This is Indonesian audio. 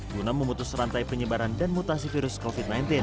guna memutus rantai penyebaran dan mutasi virus covid sembilan belas